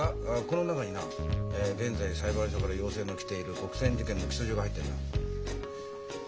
この中にな現在裁判所から要請の来ている国選事件の起訴状が入ってるんだ。